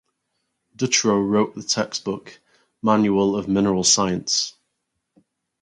Dutrow wrote the textbook "Manual of Mineral Science".